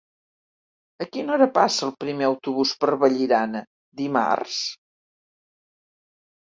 A quina hora passa el primer autobús per Vallirana dimarts?